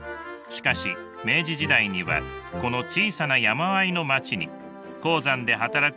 しかし明治時代にはこの小さな山あいの町に鉱山で働く労働者とその家族